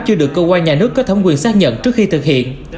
chưa được cơ quan nhà nước có thẩm quyền xác nhận trước khi thực hiện